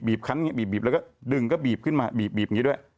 คันบีบแล้วก็ดึงก็บีบขึ้นมาบีบอย่างนี้ด้วย